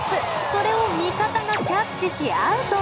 それを味方がキャッチしアウト。